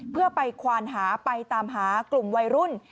เพื่อไปควานหาไปตามหากลุ่มวัยรุ่น